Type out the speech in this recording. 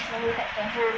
nhà em đều là hàng chính hãng